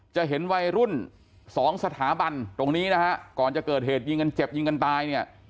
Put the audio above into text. จะเห็นวัยรุ่นสองสถาบันตรงนี้นะฮะก่อนจะเกิดเหตุยิงกันเจ็บยิงกันตายเนี่ย